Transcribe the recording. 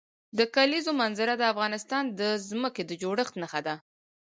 د کلیزو منظره د افغانستان د ځمکې د جوړښت نښه ده.